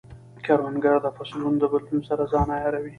کروندګر د فصلونو د بدلون سره ځان عیاروي